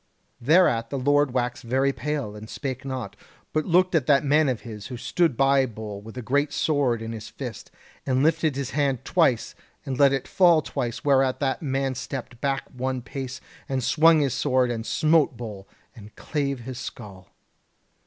"Thereat the Lord waxed very pale, and spake not, but looked at that man of his who stood by Bull with a great sword in his fist, and lifted up his hand twice, and let it fall twice, whereat that man stepped back one pace, and swung his sword, and smote Bull, and clave his skull.